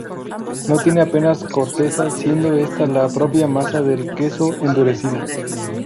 No tiene apenas corteza siendo esta la propia masa del queso endurecida.